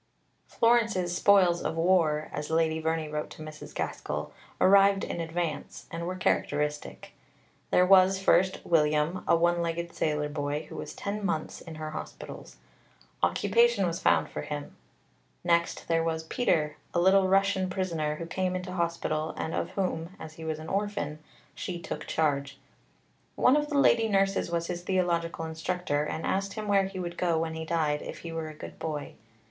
Florence's spoils of war, as Lady Verney wrote to Mrs. Gaskell, arrived in advance, and were characteristic. There was, first, William, a one legged sailor boy, who was ten months in her hospitals. Occupation was found for him. Next there was Peter, a little Russian prisoner who came into hospital, and of whom, as he was an orphan, she took charge. "One of the Lady Nurses was his theological instructor, and asked him where he would go when he died if he were a good boy?